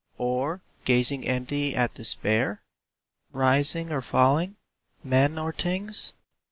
Or gazing empty at despair? Rising or falling? Men or things?